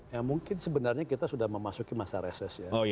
ya mungkin sebenarnya kita sudah memasuki masa reses ya